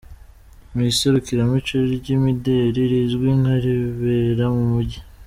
Mu iserukiramuco ry’imideli rizwi nka ribera mu Mujyi.